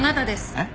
えっ？